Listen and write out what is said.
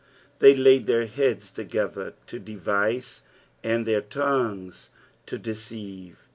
They laid ihcir heads together to devise, and their tongues to deceive.